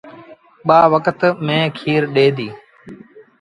ٻآ وکت ميݩهن کير ڏي دي۔